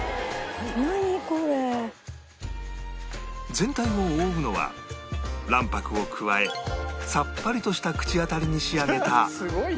全体を覆うのは卵白を加えさっぱりとした口当たりに仕上げた